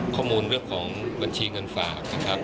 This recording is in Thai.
ข้อมูลเรื่องของบัญชีเงินฝากนะครับ